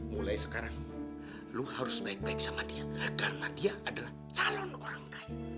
mulai sekarang lu harus baik baik sama dia karena dia adalah calon orang kaya